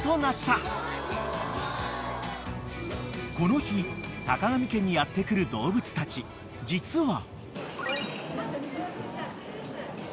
［この日坂上家にやって来る動物たち実は］